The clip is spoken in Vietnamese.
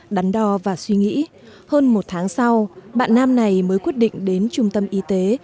đắn đo và suy nghĩ hơn một tháng sau bạn nam này mới quyết định đến trung tâm y tế